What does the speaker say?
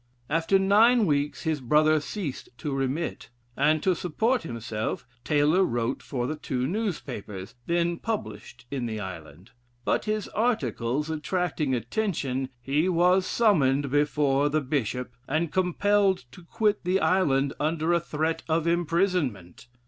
After nine weeks his brother ceased to remit; and to support himself, Taylor wrote for the two newspapers then published in the island, but his articles attracting attention, he was summoned before the Bishop, and compelled to quit the island under a threat of imprisonment.